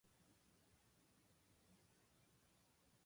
君の知らない物語